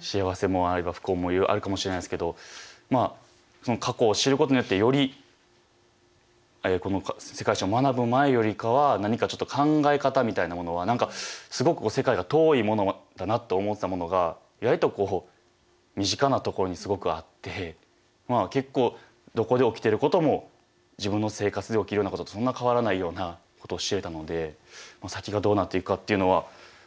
幸せもあれば不幸もいろいろあるかもしれないですけど過去を知ることによってより世界史を学ぶ前よりかは何かちょっと考え方みたいなものは何かすごく世界が遠いものだなと思ってたものが意外とこう身近な所にすごくあって結構どこで起きていることも自分の生活で起きるようなこととそんな変わらないようなことを知れたので先がどうなっていくかっていうのは改めて考えるの楽しいですね。